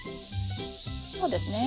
そうですね。